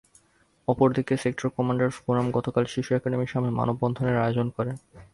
অপরদিকে sector commanders forum গতকাল শিশু একাডেমীর সামনে মানববন্ধনের আয়োজন করে।